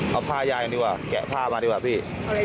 เอาผ้ายายกันดีกว่าแกะผ้ามาดีกว่าพี่